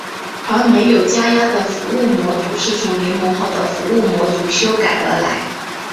而没有加压的服务模组是从联盟号的服务模组修改而来。